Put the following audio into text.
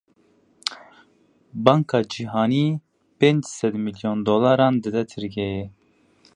Banka Cîhanî pênç sed milyon dolaran dide Tirkiyeyê.